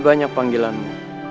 ada banyak panggilanmu